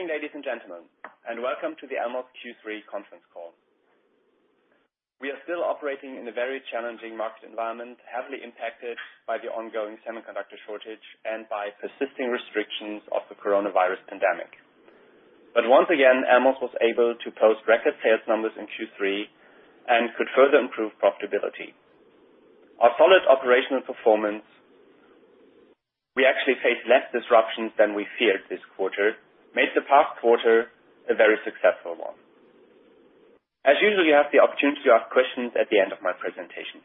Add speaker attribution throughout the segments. Speaker 1: Good morning, ladies and gentlemen, and welcome to the Elmos Q3 conference call. We are still operating in a very challenging market environment, heavily impacted by the ongoing semiconductor shortage and by persisting restrictions of the coronavirus pandemic. Once again, Elmos was able to post record sales numbers in Q3 and could further improve profitability. Our solid operational performance, we actually faced less disruptions than we feared this quarter, made the past quarter a very successful one. As usual, you have the opportunity to ask questions at the end of my presentation.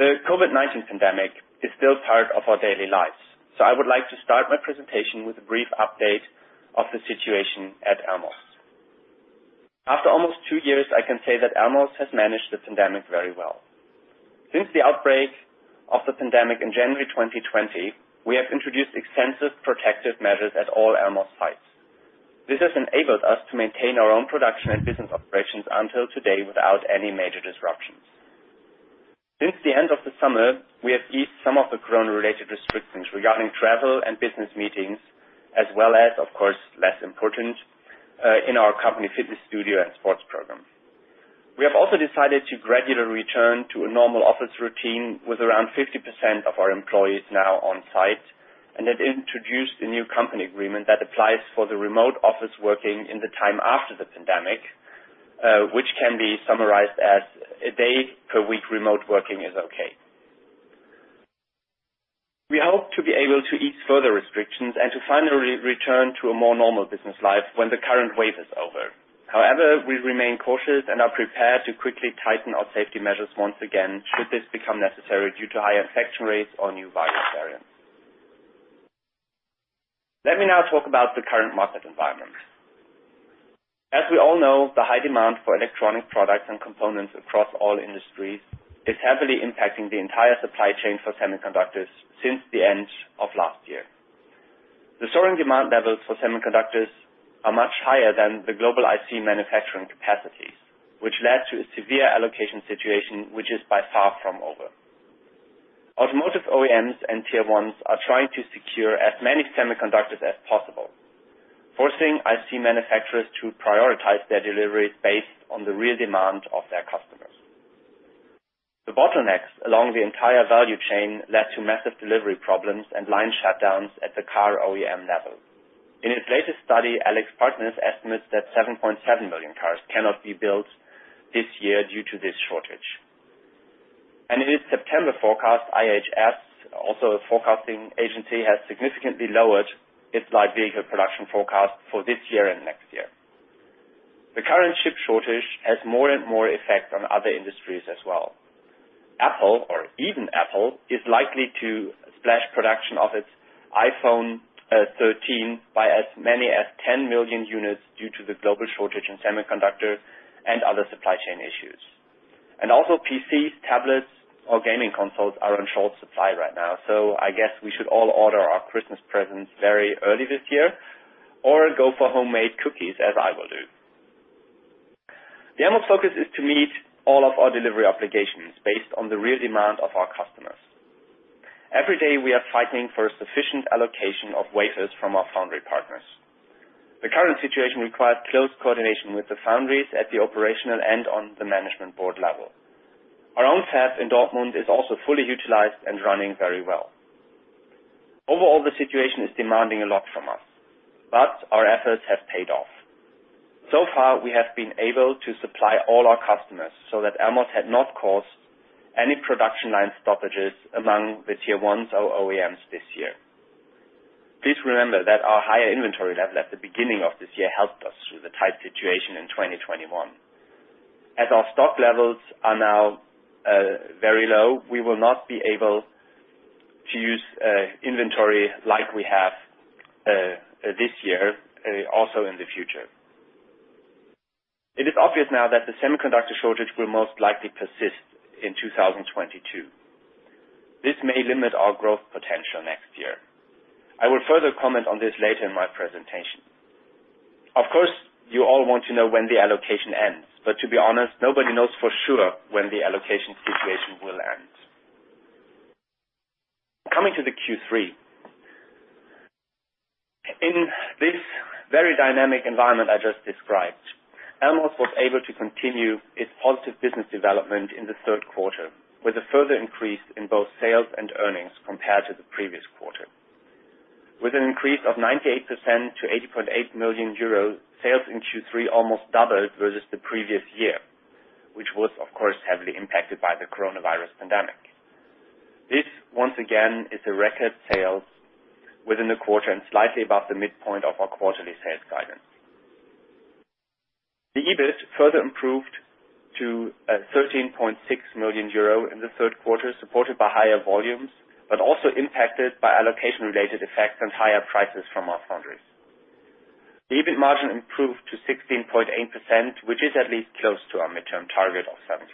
Speaker 1: The COVID-19 pandemic is still part of our daily lives, so I would like to start my presentation with a brief update of the situation at Elmos. After almost two years, I can say that Elmos has managed the pandemic very well. Since the outbreak of the pandemic in January 2020, we have introduced extensive protective measures at all Elmos sites. This has enabled us to maintain our own production and business operations until today without any major disruptions. Since the end of the summer, we have eased some of the corona-related restrictions regarding travel and business meetings, as well as, of course, less important, in our company fitness studio and sports program. We have also decided to gradually return to a normal office routine with around 50% of our employees now on site, and have introduced a new company agreement that applies for the remote office working in the time after the pandemic, which can be summarized as a day per week remote working is okay. We hope to be able to ease further restrictions and to finally return to a more normal business life when the current wave is over. However, we remain cautious and are prepared to quickly tighten our safety measures once again, should this become necessary due to higher infection rates or new virus variants. Let me now talk about the current market environment. As we all know, the high demand for electronic products and components across all industries is heavily impacting the entire supply chain for semiconductors since the end of last year. The soaring demand levels for semiconductors are much higher than the global IC manufacturing capacity, which led to a severe allocation situation, which is far from over. Automotive OEMs and Tier Ones are trying to secure as many semiconductors as possible, forcing IC manufacturers to prioritize their deliveries based on the real demand of their customers. The bottlenecks along the entire value chain led to massive delivery problems and line shutdowns at the car OEM level. In its latest study, AlixPartners estimates that 7.7 million cars cannot be built this year due to this shortage. In its September forecast, IHS, also a forecasting agency, has significantly lowered its light vehicle production forecast for this year and next year. The current chip shortage has more and more effect on other industries as well. Apple, or even Apple, is likely to slash production of its iPhone 13 by as many as 10 million units due to the global shortage in semiconductors and other supply chain issues. Also PCs, tablets or gaming consoles are in short supply right now. I guess we should all order our Christmas presents very early this year or go for homemade cookies, as I will do. The Elmos focus is to meet all of our delivery obligations based on the real demand of our customers. Every day we are fighting for a sufficient allocation of wafers from our foundry partners. The current situation requires close coordination with the foundries at the operational and on the management board level. Our own fab in Dortmund is also fully utilized and running very well. Overall, the situation is demanding a lot from us, but our efforts have paid off. So far we have been able to supply all our customers so that Elmos had not caused any production line stoppages among the Tier Ones or OEMs this year. Please remember that our higher inventory level at the beginning of this year helped us through the tight situation in 2021. As our stock levels are now very low, we will not be able to use inventory like we have this year also in the future. It is obvious now that the semiconductor shortage will most likely persist in 2022. This may limit our growth potential next year. I will further comment on this later in my presentation. Of course, you all want to know when the allocation ends, but to be honest, nobody knows for sure when the allocation situation will end. Coming to Q3. In this very dynamic environment I just described, Elmos was able to continue its positive business development in the Q3 with a further increase in both sales and earnings compared to the previous quarter. With an increase of 98% to 80.8 million euros, sales in Q3 almost doubled versus the previous year, which was of course heavily impacted by the coronavirus pandemic. This once again is a record sales within the quarter and slightly above the midpoint of our quarterly sales guidance. The EBIT further improved to 13.6 million euro in the Q3, supported by higher volumes, but also impacted by allocation-related effects and higher prices from our foundries. The EBIT margin improved to 16.8%, which is at least close to our midterm target of 17%.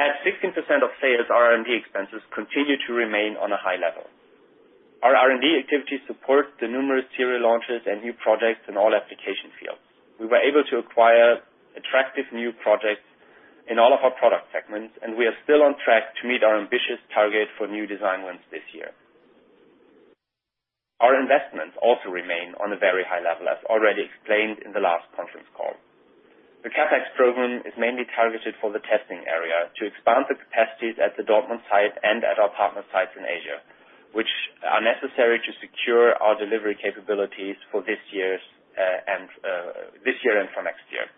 Speaker 1: At 16% of sales, R&D expenses continue to remain on a high level. Our R&D activities support the numerous serial launches and new projects in all application fields. We were able to acquire attractive new projects in all of our product segments, and we are still on track to meet our ambitious target for new design wins this year. Our investments also remain on a very high level, as already explained in the last conference call. The CapEx program is mainly targeted for the testing area to expand the capacities at the Dortmund site and at our partner sites in Asia, which are necessary to secure our delivery capabilities for this year and for next year.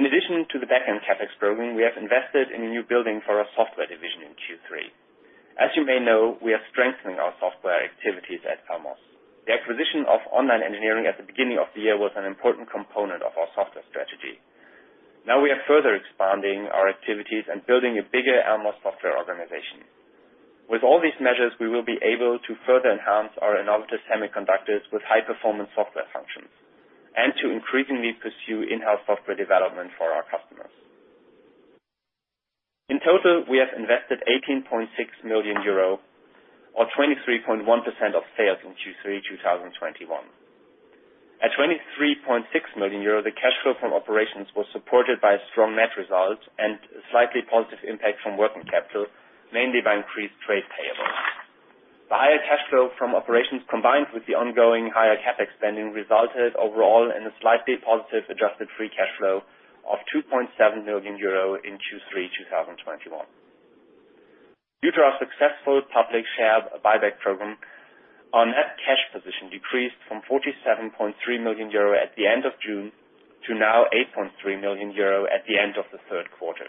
Speaker 1: In addition to the back-end CapEx program, we have invested in a new building for our software division in Q3. As you may know, we are strengthening our software activities at Elmos. The acquisition of Online Engineering at the beginning of the year was an important component of our software strategy. Now we are further expanding our activities and building a bigger AMOS software organization. With all these measures, we will be able to further enhance our innovative semiconductors with high-performance software functions and to increasingly pursue in-house software development for our customers. In total, we have invested 18.6 million euro or 23.1% of sales in Q3 2021. At EUR 23.6 million, the cash flow from operations was supported by a strong net result and slightly positive impact from working capital, mainly by increased trade payables. The higher cash flow from operations, combined with the ongoing higher CapEx spending, resulted overall in a slightly positive adjusted free cash flow of 2.7 million euro in Q3 2021. Due to our successful public share buyback program, our net cash position decreased from 47.3 million euro at the end of June to now 8.3 million euro at the end of the Q3.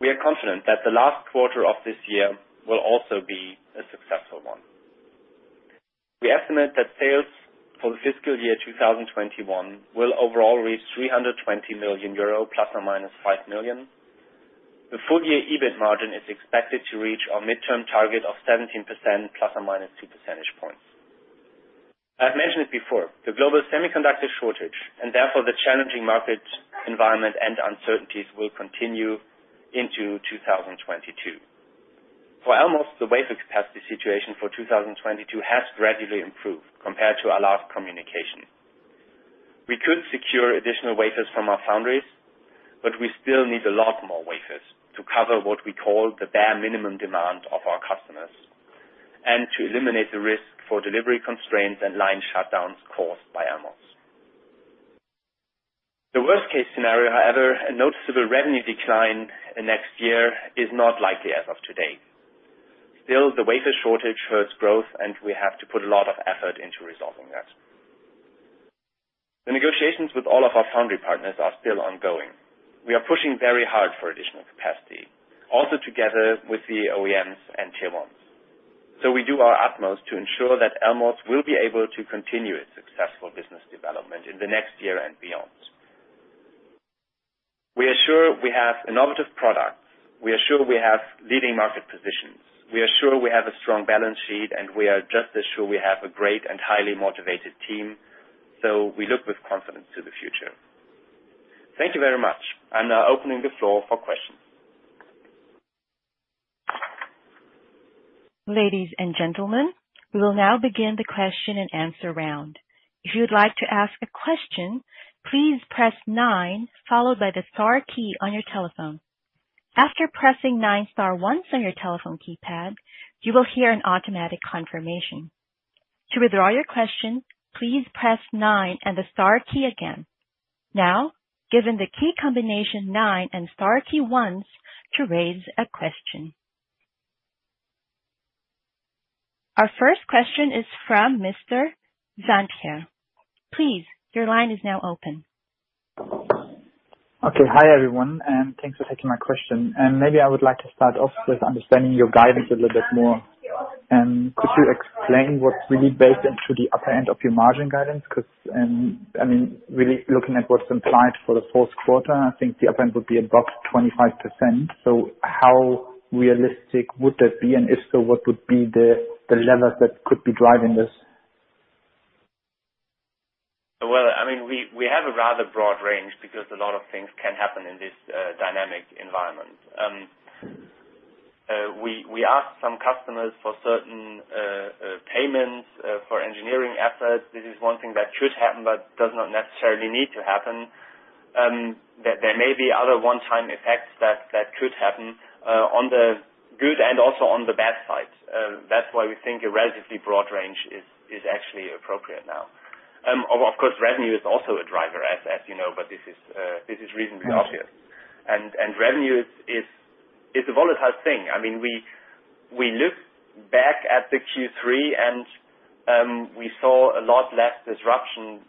Speaker 1: We are confident that the last quarter of this year will also be a successful one. We estimate that sales for the fiscal year 2021 will overall reach 320 million euro ± 5 million. The full-year EBIT margin is expected to reach our midterm target of 17% ± 2 percentage points. I've mentioned it before, the global semiconductor shortage and therefore the challenging market environment and uncertainties will continue into 2022. For Elmos, the wafer capacity situation for 2022 has gradually improved compared to our last communication. We could secure additional wafers from our foundries, but we still need a lot more wafers to cover what we call the bare minimum demand of our customers and to eliminate the risk for delivery constraints and line shutdowns caused by Elmos. The worst-case scenario, however, a noticeable revenue decline in next year, is not likely as of today. Still, the wafer shortage hurts growth, and we have to put a lot of effort into resolving that. The negotiations with all of our foundry partners are still ongoing. We are pushing very hard for additional capacity, also together with the OEMs and Tier 1s. We do our utmost to ensure that Elmos will be able to continue its successful business development in the next year and beyond. We are sure we have innovative products. We are sure we have leading market positions. We are sure we have a strong balance sheet, and we are just as sure we have a great and highly motivated team, so we look with confidence to the future. Thank you very much. I'm now opening the floor for questions.
Speaker 2: Our first question is from Mr. Veysel Taze. Please, your line is now open.
Speaker 3: Okay. Hi, everyone, and thanks for taking my question. Maybe I would like to start off with understanding your guidance a little bit more. Could you explain what's really baked into the upper end of your margin guidance? Because, I mean, really looking at what's implied for the Q4, I think the upper end would be above 25%. How realistic would that be? And if so, what would be the levers that could be driving this?
Speaker 1: Well, I mean, we have a rather broad range because a lot of things can happen in this dynamic environment. We ask some customers for certain payments for engineering efforts. This is one thing that should happen, but does not necessarily need to happen. There may be other one-time effects that could happen on the good and also on the bad side. That's why we think a relatively broad range is actually appropriate now. Of course, revenue is also a driver, as you know, but this is reasonably obvious. Revenue is a volatile thing. I mean, we look back at the Q3 and we saw a lot less disruption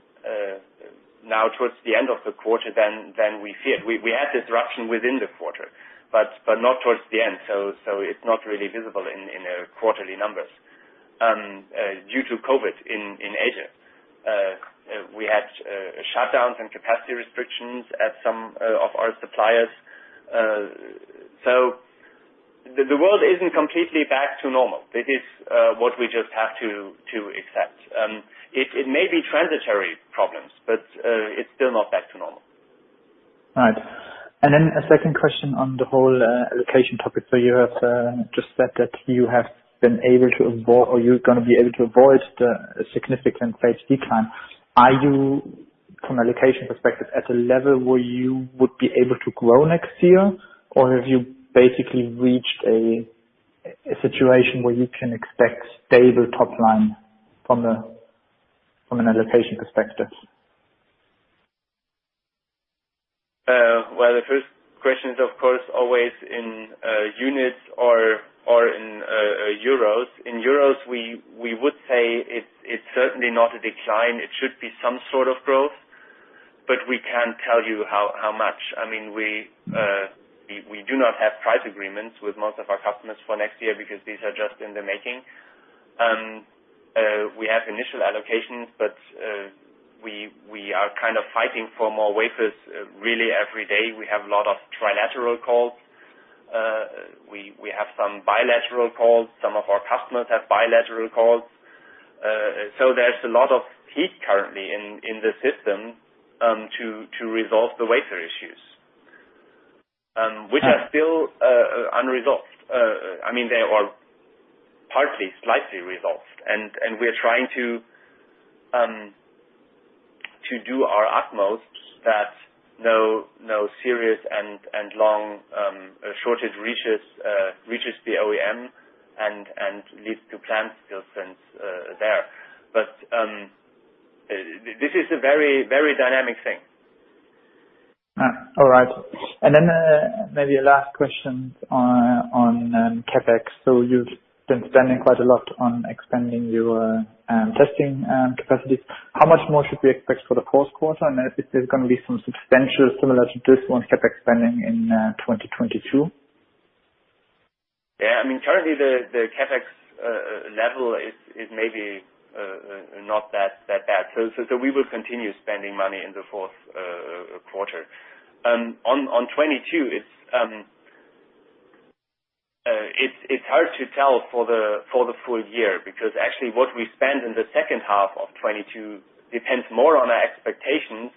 Speaker 1: now towards the end of the quarter than we feared. We had disruption within the quarter, but not towards the end. It's not really visible in quarterly numbers. Due to COVID in Asia, we had shutdowns and capacity restrictions at some of our suppliers. The world isn't completely back to normal. This is what we just have to accept. It may be transitory problems, but it's still not back to normal.
Speaker 3: All right. A second question on the whole allocation topic. You have just said that you have been able to avoid or you're gonna be able to avoid a significant phase decline. Are you, from an allocation perspective, at a level where you would be able to grow next year? Or have you basically reached a situation where you can expect stable top line from an allocation perspective?
Speaker 1: Well, the first question is, of course, always in units or in euros. In euros, we would say it's certainly not a decline. It should be some sort of growth. We can't tell you how much. I mean, we do not have price agreements with most of our customers for next year because these are just in the making. We have initial allocations, but we are kind of fighting for more wafers really every day. We have a lot of trilateral calls. We have some bilateral calls. Some of our customers have bilateral calls. There's a lot of heat currently in the system to resolve the wafer issues, which are still unresolved. I mean, they are partly, slightly resolved. We are trying to do our utmost that no serious and long shortage reaches the OEM and leads to plant stillstands there. This is a very dynamic thing.
Speaker 3: All right. Maybe a last question on CapEx. You've been spending quite a lot on expanding your testing capacities. How much more should we expect for the Q4? If it is gonna be some substantial similar to this one CapEx spending in 2022?
Speaker 1: Yeah. I mean, currently the CapEx level is maybe not that bad. We will continue spending money in the Q4. On 2022, it's hard to tell for the full year because actually what we spend in the H2 of 2022 depends more on our expectations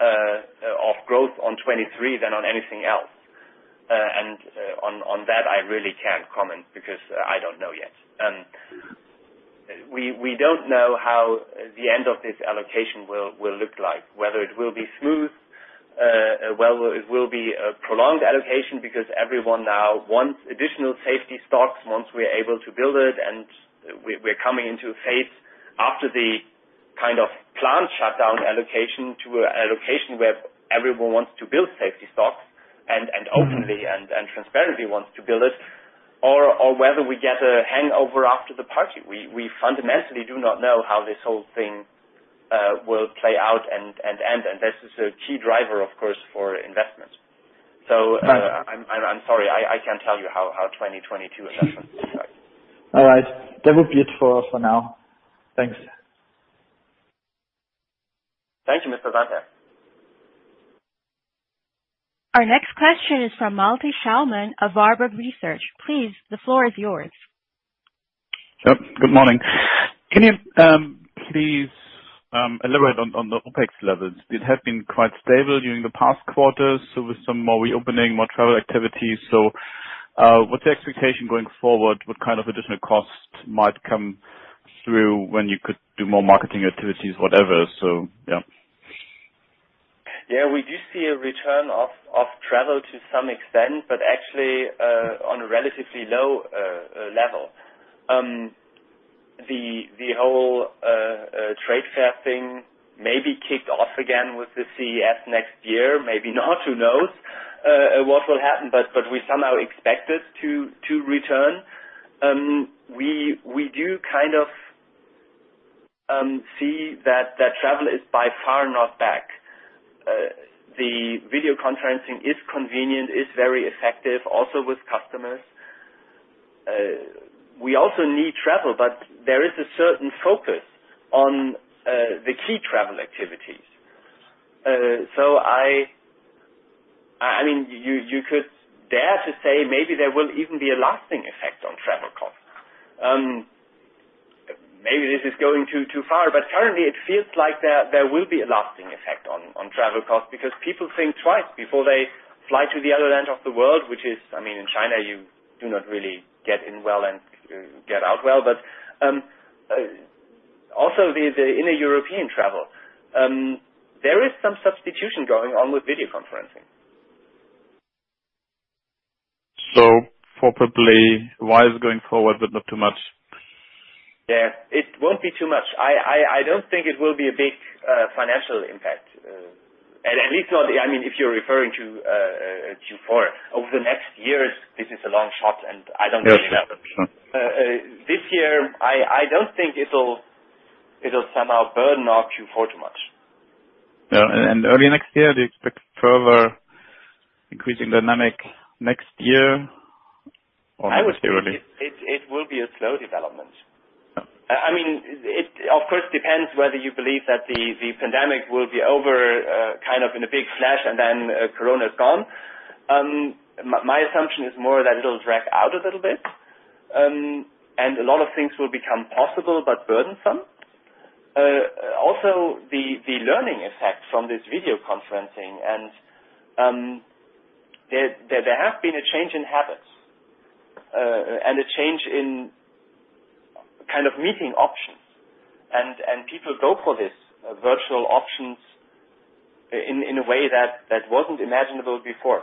Speaker 1: of growth on 2023 than on anything else. On that I really can't comment because I don't know yet. We don't know how the end of this allocation will look like, whether it will be smooth, whether it will be a prolonged allocation because everyone now wants additional safety stocks once we're able to build it and we're coming into a phase after the kind of plant shutdown allocation to a allocation where everyone wants to build safety stocks and openly and transparently wants to build it or whether we get a hangover after the party. We fundamentally do not know how this whole thing will play out and end, and this is a key driver, of course, for investments. I'm sorry, I can't tell you how 2022 allocation looks like.
Speaker 3: All right. That would be it for now. Thanks.
Speaker 1: Thank you, Mr. Taze.
Speaker 2: Our next question is from Malte Schaumann of Warburg Research. Please, the floor is yours.
Speaker 4: Yep. Good morning. Can you please elaborate on the OpEx levels? It has been quite stable during the past quarters, so with some more reopening, more travel activities, what's the expectation going forward? What kind of additional costs might come through when you could do more marketing activities, whatever?
Speaker 1: Yeah. We do see a return of travel to some extent, but actually, on a relatively low level. The whole trade fair thing may be kicked off again with the CES next year. Maybe not, who knows, what will happen? We somehow expect it to return. We do kind of see that travel is by far not back. The video conferencing is convenient, it's very effective also with customers. We also need travel, but there is a certain focus on the key travel activities. I mean, you could dare to say maybe there will even be a lasting effect on travel costs. Maybe this is going too far, but currently it feels like there will be a lasting effect on travel costs because people think twice before they fly to the other end of the world, which is, I mean, in China you do not really get in well and get out well. Also the inner-European travel. There is some substitution going on with video conferencing.
Speaker 4: So far, probably wise going forward, but not too much.
Speaker 1: Yeah. It won't be too much. I don't think it will be a big financial impact. At least not, I mean, if you're referring to Q4. Over the next years, this is a long shot, and I don't really know.
Speaker 4: Yeah, sure.
Speaker 1: This year, I don't think it'll somehow burden our Q4 too much.
Speaker 4: Yeah. Early next year, do you expect further increasing dynamic next year or early?
Speaker 1: I would say it will be a slow development.
Speaker 4: Yeah.
Speaker 1: I mean, it of course depends whether you believe that the pandemic will be over, kind of in a big flash and then, corona is gone. My assumption is more that it'll drag out a little bit, and a lot of things will become possible but burdensome. Also the learning effect from this video conferencing and, there have been a change in habits, and a change in kind of meeting options. People go for this virtual options in a way that wasn't imaginable before.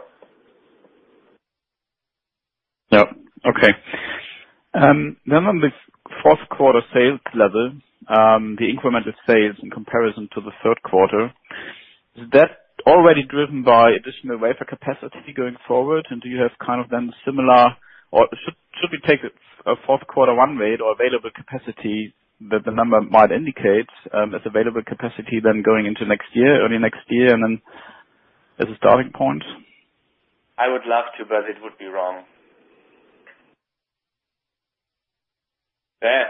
Speaker 4: On this Q4 sales level, the increment of sales in comparison to the Q3, is that already driven by additional wafer capacity going forward? Do you have kind of then similar or should we take a Q4 run rate or available capacity that the number might indicate, as available capacity then going into next year, early next year, and then as a starting point?
Speaker 1: I would love to, but it would be wrong. Yeah.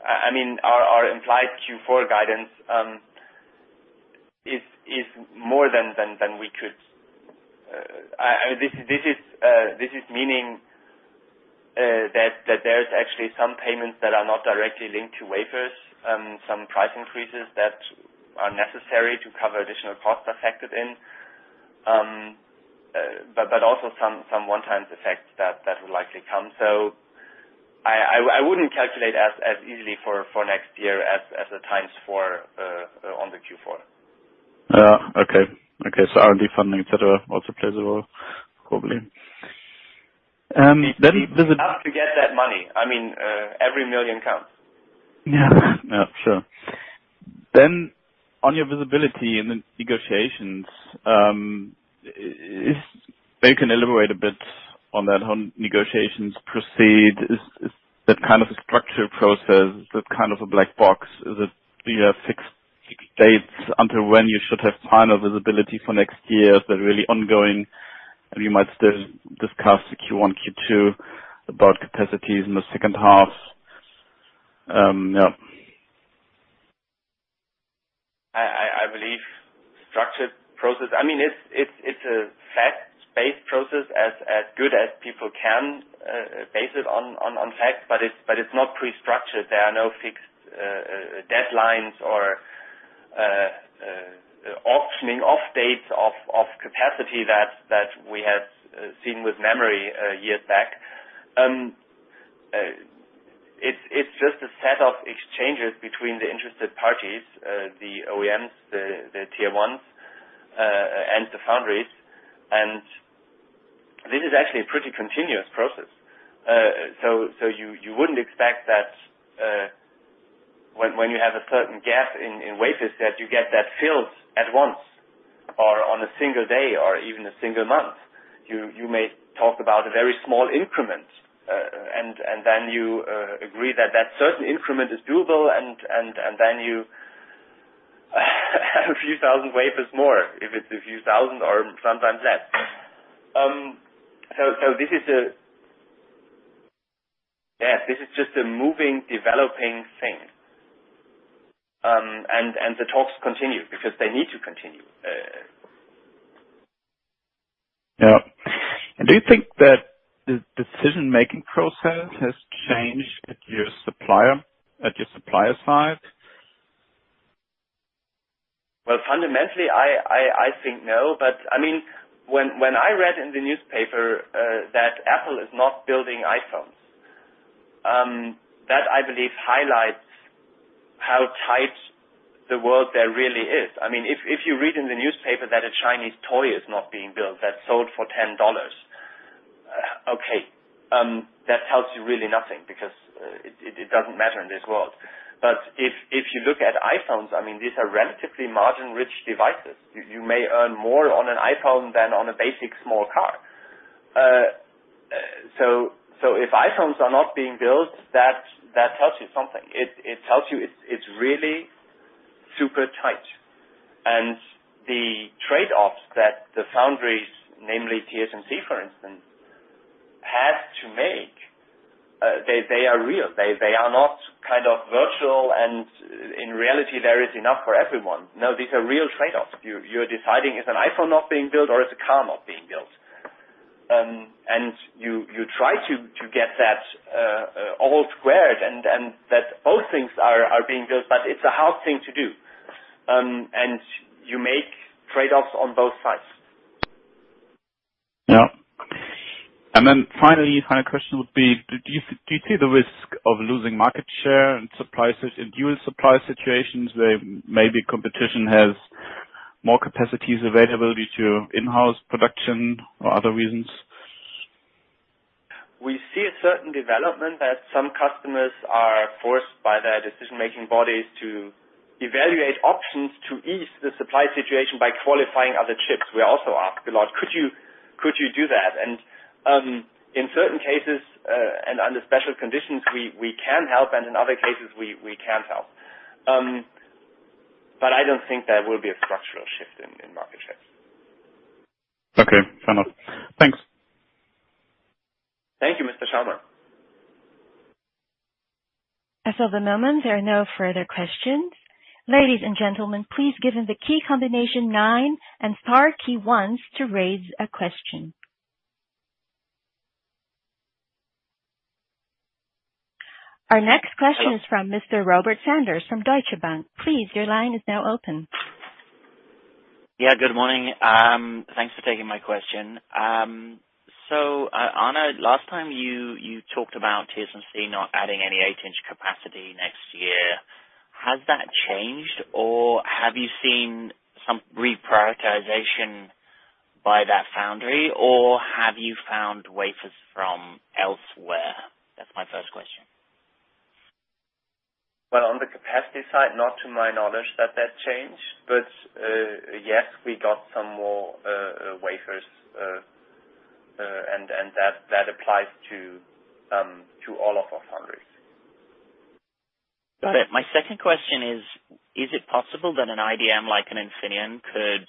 Speaker 1: I mean, our implied Q4 guidance is more than we could. This means that there's actually some payments that are not directly linked to wafers, some price increases that are necessary to cover additional costs affected in. But also some one-time effects that will likely come. I wouldn't calculate as easily for next year as the timing for Q4.
Speaker 4: Yeah. Okay. R&D funding, et cetera, also plays a role, probably. Then-
Speaker 1: We have to get that money. I mean, every million counts.
Speaker 4: Yeah. Yeah. Sure. On your visibility in the negotiations, if you can elaborate a bit on that, how negotiations proceed. Is that kind of a structured process? Is that kind of a black box? Is it, you know, fixed dates until when you should have final visibility for next year? Is that really ongoing, and you might still discuss the Q1, Q2 about capacities in the H2? Yeah.
Speaker 1: I believe it's a structured process. I mean, it's a fact-based process as good as people can base it on facts, but it's not pre-structured. There are no fixed deadlines or auctioning off dates of capacity that we have seen with memory years back. It's just a set of exchanges between the interested parties, the OEMs, the Tier Ones, and the foundries. This is actually a pretty continuous process. So you wouldn't expect that, when you have a certain gap in wafers, that you get that filled at once or on a single day or even a single month. You may talk about a very small increment, and then you agree that certain increment is doable, and then you have a few thousand wafers more, if it's a few thousand or sometimes less. Yeah, this is just a moving, developing thing. The talks continue because they need to continue.
Speaker 4: Yeah. Do you think that the decision-making process has changed at your supplier side?
Speaker 1: Fundamentally, I think no, but I mean, when I read in the newspaper that Apple is not building iPhones, that I believe highlights how tight the world there really is. I mean, if you read in the newspaper that a Chinese toy is not being built, that's sold for $10, okay, that tells you really nothing because it doesn't matter in this world. If you look at iPhones, I mean, these are relatively margin-rich devices. You may earn more on an iPhone than on a basic small car. If iPhones are not being built, that tells you something. It tells you it's really super tight. The trade-offs that the foundries, namely TSMC, for instance, have to make, they are real. They are not kind of virtual and in reality there is enough for everyone. No, these are real trade-offs. You're deciding is an iPhone not being built or is a car not being built? You try to get that all squared and that both things are being built, but it's a hard thing to do. You make trade-offs on both sides.
Speaker 4: Yeah. Finally, final question would be, do you see the risk of losing market share and suppliers in dual supply situations where maybe competition has more capacity availability to in-house production or other reasons?
Speaker 1: We see a certain development that some customers are forced by their decision-making bodies to evaluate options to ease the supply situation by qualifying other chips. We're also asked a lot, "Could you do that?" In certain cases, and under special conditions, we can help, and in other cases we can't help. I don't think there will be a structural shift in market shares.
Speaker 4: Okay. Fair enough. Thanks.
Speaker 1: Thank you, Mr. Schaumann.
Speaker 2: As of the moment, there are no further questions. Ladies and gentlemen, please give in the key combination nine and star key one to raise a question. Our next question is from Mr. Robert Sanders from Deutsche Bank. Please, your line is now open.
Speaker 5: Yeah, good morning. Thanks for taking my question. Arne, last time you talked about TSMC not adding any eight-inch capacity next year. Has that changed, or have you seen some reprioritization by that foundry, or have you found wafers from elsewhere? That's my first question.
Speaker 1: Well, on the capacity side, not to my knowledge, that changed. Yes, we got some more wafers, and that applies to all of our foundries.
Speaker 5: Got it. My second question is it possible that an IDM, like an Infineon, could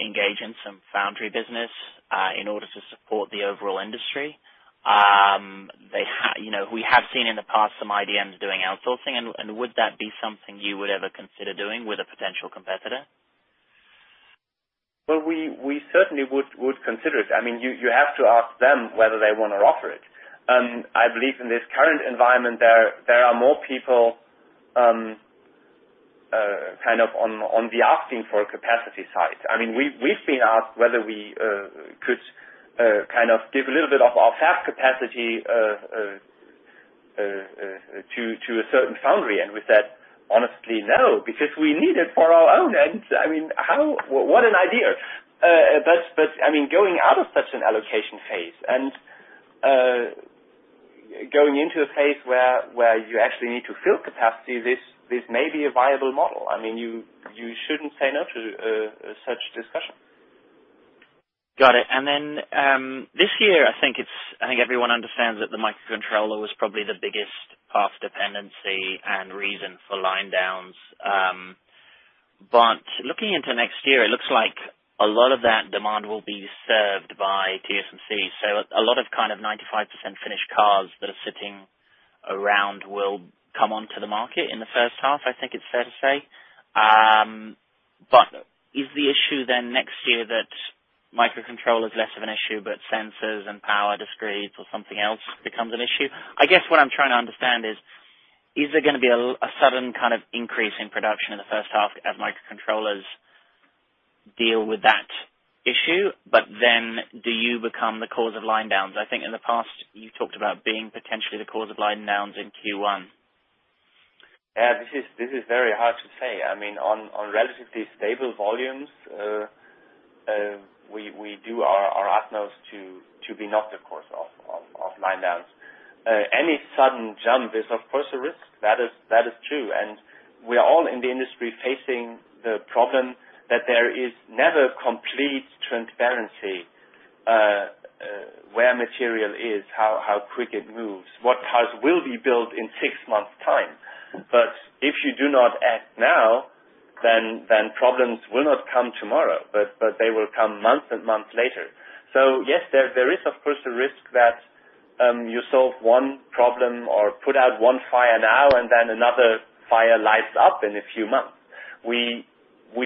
Speaker 5: engage in some foundry business in order to support the overall industry? You know, we have seen in the past some IDMs doing outsourcing, and would that be something you would ever consider doing with a potential competitor?
Speaker 1: Well, we certainly would consider it. I mean, you have to ask them whether they wanna offer it. I believe in this current environment there are more people kind of on the asking for a capacity side. I mean, we've been asked whether we could kind of give a little bit of our fab capacity to a certain foundry. We said, "Honestly, no," because we need it for our own. I mean, what an idea. I mean, going out of such an allocation phase and going into a phase where you actually need to fill capacity, this may be a viable model. I mean, you shouldn't say no to such discussion.
Speaker 5: Got it. This year, I think everyone understands that the microcontroller was probably the biggest path dependency and reason for line downs. Looking into next year, it looks like a lot of that demand will be served by TSMC. A lot of kind of 95% finished cars that are sitting around will come onto the market in the H1, I think it's fair to say. Is the issue then next year that microcontroller is less of an issue, but sensors and power discretes or something else becomes an issue? I guess what I'm trying to understand is there gonna be a sudden kind of increase in production in the H1 as microcontrollers deal with that issue, but then do you become the cause of line downs? I think in the past you've talked about being potentially the cause of line downs in Q1.
Speaker 1: Yeah. This is very hard to say. I mean, on relatively stable volumes, we do our utmost to be not the cause of line downs. Any sudden jump is of course a risk. That is true. We are all in the industry facing the problem that there is never complete transparency, where material is, how quick it moves, what cars will be built in six months' time. If you do not act now, then problems will not come tomorrow, but they will come months and months later. Yes, there is of course a risk that you solve one problem or put out one fire now and then another fire lights up in a few months. We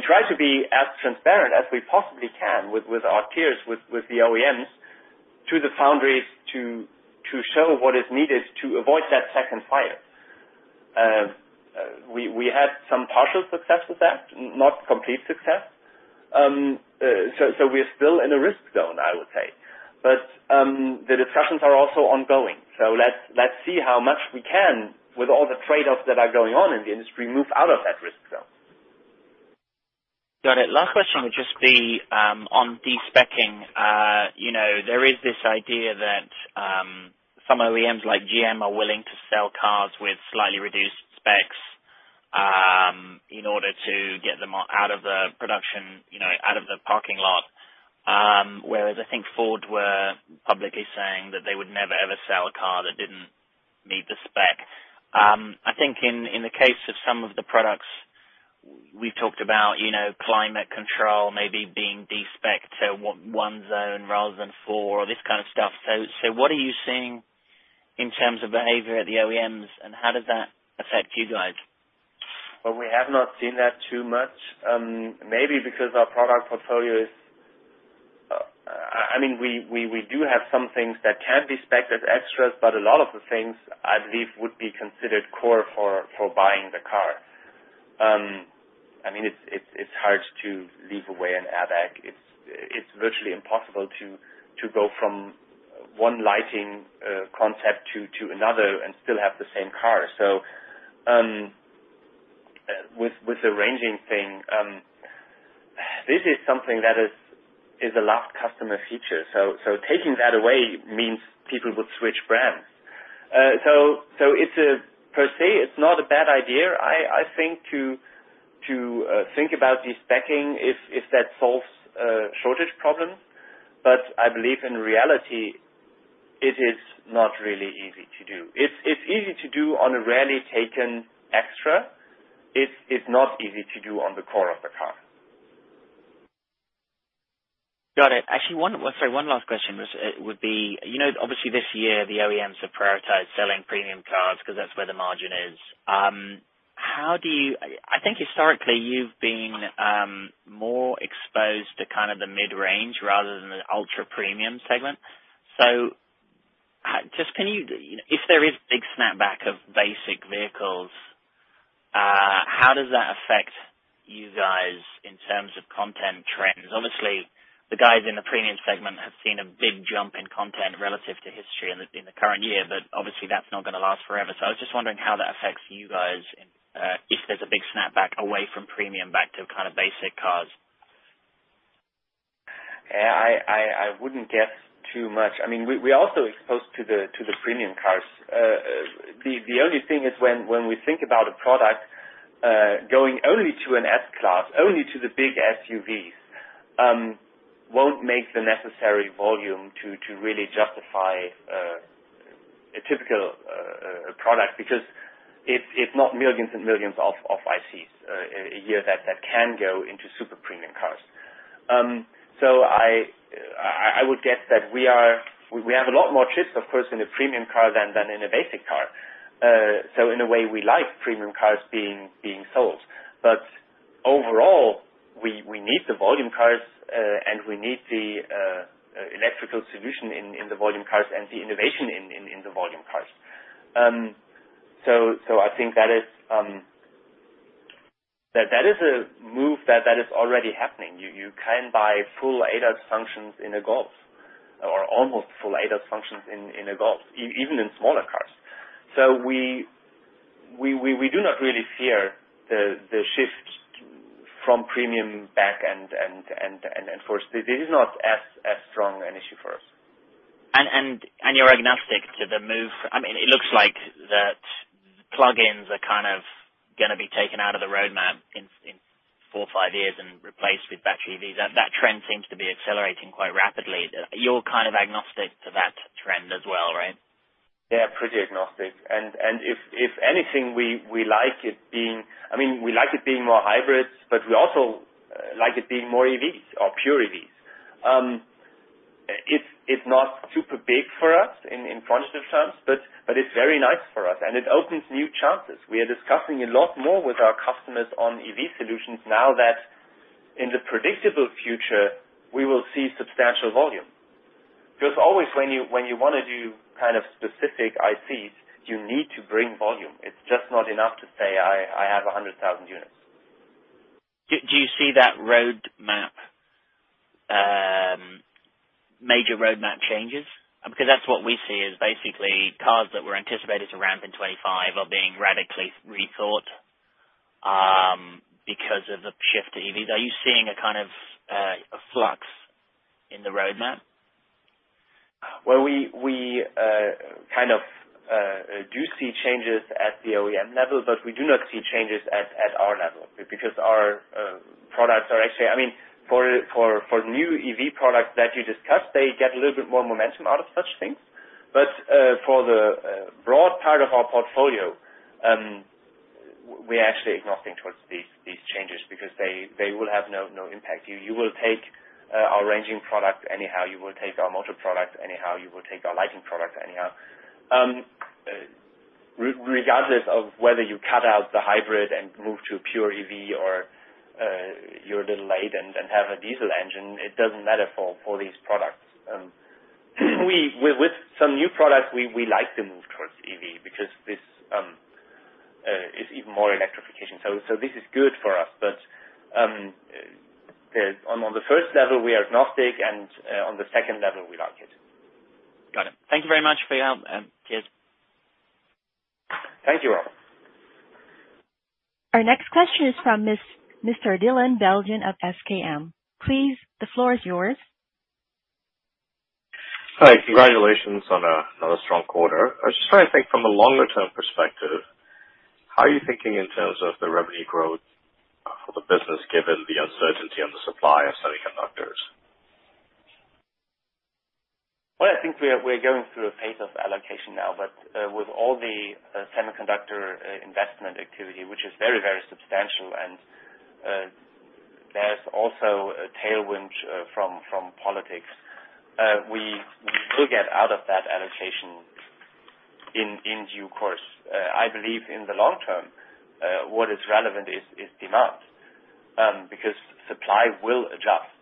Speaker 1: try to be as transparent as we possibly can with our peers, with the OEMs to the foundries to show what is needed to avoid that second fire. We had some partial success with that, not complete success. We're still in a risk zone, I would say. The discussions are also ongoing. Let's see how much we can, with all the trade-offs that are going on in the industry, move out of that risk zone.
Speaker 5: Got it. Last question would just be on despeccing. You know, there is this idea that some OEMs like GM are willing to sell cars with slightly reduced specs in order to get them out of the production, you know, out of the parking lot. Whereas I think Ford were publicly saying that they would never, ever sell a car that didn't meet the spec. I think in the case of some of the products we've talked about, you know, climate control maybe being despecced to one zone rather than four or this kind of stuff. What are you seeing in terms of behavior at the OEMs, and how does that affect you guys?
Speaker 1: Well, we have not seen that too much. Maybe because our product portfolio, I mean, we do have some things that can be specced as extras, but a lot of the things I believe would be considered core for buying the car. It's hard to leave away an airbag. It's virtually impossible to go from one lighting concept to another and still have the same car. With the ranging thing, this is something that is a last customer feature. Taking that away means people would switch brands. Per se, it's not a bad idea, I think, to think about despeccing if that solves a shortage problem. I believe in reality, it is not really easy to do. It's easy to do on a rarely taken extra. It's not easy to do on the core of the car.
Speaker 5: Got it. Actually, one last question was, would be, you know, obviously this year the OEMs have prioritized selling premium cars 'cause that's where the margin is. How do you—I think historically you've been more exposed to kind of the mid-range rather than the ultra-premium segment. Just can you if there is big snapback of basic vehicles, how does that affect you guys in terms of content trends? Obviously, the guys in the premium segment have seen a big jump in content relative to history in the current year, but obviously that's not gonna last forever. I was just wondering how that affects you guys if there's a big snapback away from premium back to kind of basic cars.
Speaker 1: Yeah, I wouldn't guess too much. I mean, we are also exposed to the premium cars. The only thing is when we think about a product going only to an S-Class, only to the big SUVs, it won't make the necessary volume to really justify a typical product because it's not millions and millions of ICs a year that can go into super premium cars. So I would guess that we have a lot more chips, of course, in a premium car than in a basic car. So in a way, we like premium cars being sold. Overall, we need the volume cars, and we need the electrical solution in the volume cars and the innovation in the volume cars. I think that is a move that is already happening. You can buy full ADAS functions in a Golf or almost full ADAS functions in a Golf, even in smaller cars. We do not really fear the shift from premium back and forth. This is not as strong an issue for us.
Speaker 5: You're agnostic to the move. I mean, it looks like that plug-ins are kind of gonna be taken out of the roadmap in four or five years and replaced with battery EVs. That trend seems to be accelerating quite rapidly. You're kind of agnostic to that trend as well, right?
Speaker 1: Yeah, pretty agnostic. If anything, we like it being, I mean, we like it being more hybrids, but we also like it being more EVs or pure EVs. It's not super big for us in quantitative terms, but it's very nice for us, and it opens new chances. We are discussing a lot more with our customers on EV solutions now that in the predictable future, we will see substantial volume. Because always when you wanna do kind of specific ICs, you need to bring volume. It's just not enough to say, "I have 100,000 units.
Speaker 5: Do you see that roadmap, major roadmap changes? That's what we see is basically cars that were anticipated to ramp in 2025 are being radically rethought, because of the shift to EVs. Are you seeing a kind of, a flux in the roadmap?
Speaker 1: We kind of do see changes at the OEM level, but we do not see changes at our level because our products are actually I mean, for new EV products that you discussed, they get a little bit more momentum out of such things. For the broad part of our portfolio, we actually agnostic towards these changes because they will have no impact. You will take our ranging product anyhow, you will take our motor product anyhow, you will take our lighting product anyhow. Regardless of whether you cut out the hybrid and move to pure EV or you're a little late and have a diesel engine, it doesn't matter for these products. With some new products, we like to move towards EV because this is even more electrification. This is good for us. On the first level, we are agnostic, and on the second level, we like it.
Speaker 5: Got it. Thank you very much for your help, Arne.
Speaker 1: Thank you, Rob.
Speaker 2: Our next question is from Mr. Dylan [Belgen] of SKM. Please, the floor is yours.
Speaker 6: Hi. Congratulations on another strong quarter. I was just trying to think from a longer term perspective, how are you thinking in terms of the revenue growth for the business given the uncertainty on the supply of semiconductors?
Speaker 1: Well, I think we're going through a phase of allocation now. With all the semiconductor investment activity, which is very substantial, and there's also a tailwind from politics, we will get out of that allocation in due course. I believe in the long term, what is relevant is demand, because supply will adjust.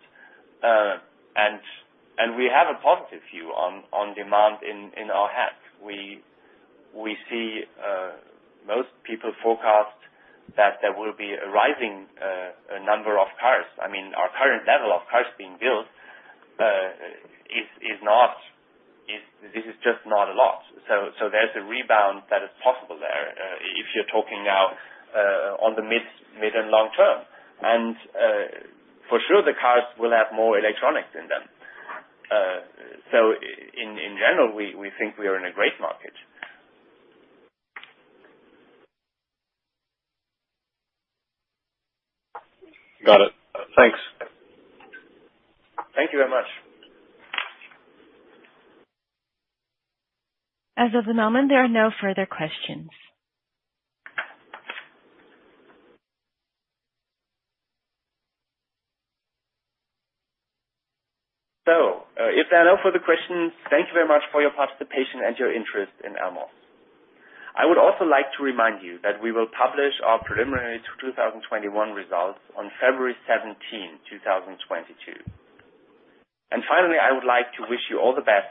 Speaker 1: We have a positive view on demand in our TAM. We see most people forecast that there will be a rising number of cars. I mean, our current level of cars being built is not. This is just not a lot. There's a rebound that is possible there, if you're talking now, on the mid and long term. For sure, the cars will have more electronics in them. In general, we think we are in a great market.
Speaker 6: Got it. Thanks.
Speaker 1: Thank you very much.
Speaker 2: As of the moment, there are no further questions.
Speaker 1: If there are no further questions, thank you very much for your participation and your interest in Elmos. I would also like to remind you that we will publish our preliminary 2021 results on 17 February 2022. Finally, I would like to wish you all the best.